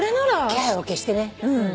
気配を消してね。